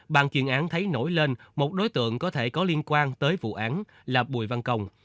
bàn chuyên án thấy nổi lên một đối tượng có thể có liên quan tới vụ án là bùi văn công